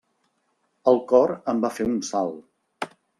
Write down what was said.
El cor em va fer un salt.